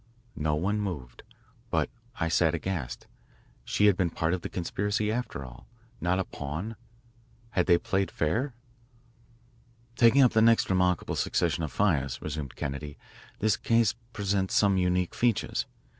No one moved. But I sat aghast. She had been a part of the conspiracy, after all, not a pawn. Had they played fair? "Taking up next the remarkable succession of fires," resumed Kennedy, "this case presents some unique features.